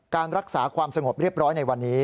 การรักษาความสงบเรียบร้อยในวันนี้